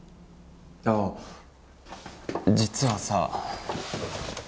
あ実はさ。